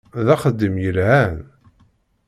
D axeddim yelhan!